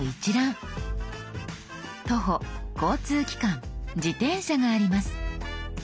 「徒歩」「交通機関」「自転車」があります。